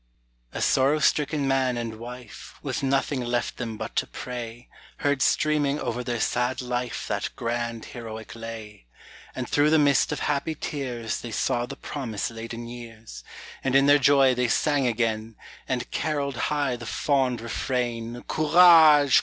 A sorrow stricken man and wife, With nothing left them but to pray, Heard streaming over their sad life That grand, heroic lay: And through the mist of happy tears They saw the promise laden years; And in their joy they sang again, And carolled high the fond refrain Courage!